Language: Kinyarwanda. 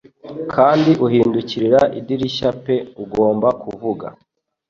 Kandi uhindukirira idirishya pe ugomba kuvuga: